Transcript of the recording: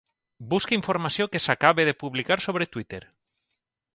Busca informació que s'acabi de publicar sobre Twitter.